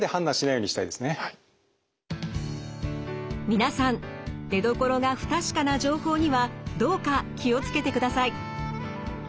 皆さん出どころが不確かな情報にはどうか気を付けてください。